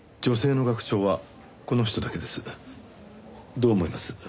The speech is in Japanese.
どう思います？